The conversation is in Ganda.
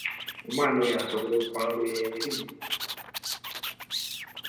Omwana oyo asobola okwanguya emirimu?